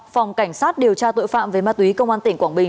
phòng cảnh sát điều tra tội phạm về ma túy công an tỉnh quảng bình